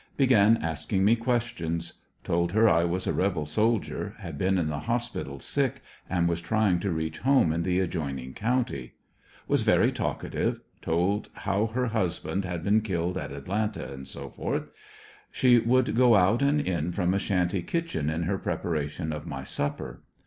Began asking me questions. Told her I was a rebel sol dier, had been in the hospital sick and was trying to reach home in the adjoining county. Was very talkative; told how her husband had been killed at Atlanta, &c. She would go out and in from a shanty kitchen in her preparation of my supper.